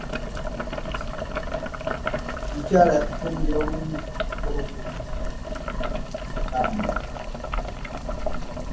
Mukyala yatufumbira bulungi ku mukolo gwe bambi.